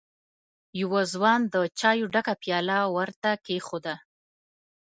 يوه ځوان د چايو ډکه پياله ور ته کېښوده.